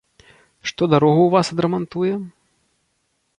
Што дарогу ў вас адрамантуе?